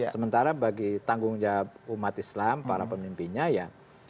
sementara bagi tanggung jawab umat islam para pemimpinnya ya